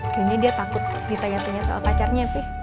kayaknya dia takut kita nyatainya soal pacarnya pi